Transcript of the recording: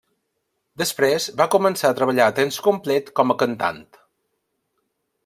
Després va començar a treballar a temps complet com a cantant.